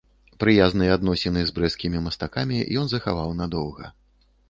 Прыязныя адносіны з брэсцкімі мастакамі ён захаваў надоўга.